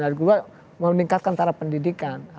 yang kedua meningkatkan tara pendidikan